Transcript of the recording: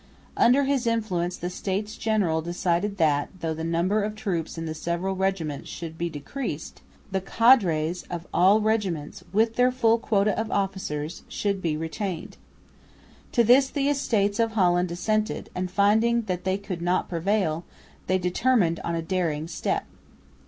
Under his influence the States General decided that, though the number of troops in the several regiments should be decreased, the cadres of all regiments with their full quota of officers should be retained. To this the Estates of Holland dissented, and finding that they could not prevail, they determined on a daring step.